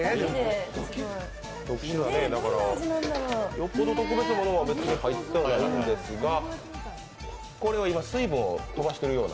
よっぽど特別なものは入っていませんが、これは今、水分を飛ばしているような？